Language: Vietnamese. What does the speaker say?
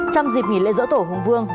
trong dịp nghỉ lễ dỗ tổ hùng vương